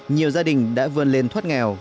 nhiều gia đình đã vươn lên thoát nghèo